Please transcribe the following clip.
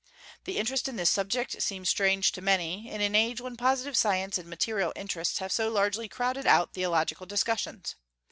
The interest in this subject seems strange to many, in an age when positive science and material interests have so largely crowded out theological discussions.